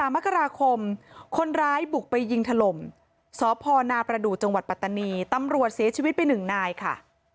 มกราคมคนร้ายบุกไปยิงถล่มสพนาประดูกจังหวัดปัตตานีตำรวจเสียชีวิตไป๑นายค่ะ